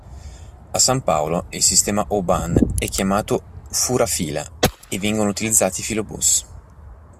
A San Paolo il sistema O-Bahn è chiamato Fura-Fila e vengono utilizzati filobus.